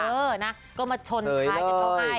เออก็มาชนภายกันก็ได้